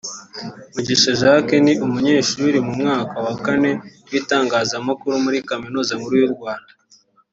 Mugisha Jack ni umunyeshuri mu mwaka wa kane w’itangazamakuru muri Kaminuza Nkuru y’u Rwanda